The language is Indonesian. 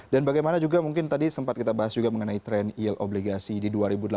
dan bagaimana juga mungkin tadi sempat kita bahas juga mengenai trend yield obligasi di dua ribu delapan belas